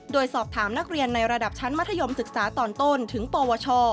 โดยสอบถามนักเรียนในระดับชั้นมัธยมศึกษาตอนต้นถึงปวช